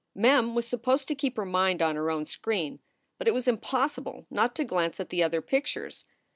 Mem was supposed to keep her mind on her own screen, but it was impossible not to glance at the other pictures.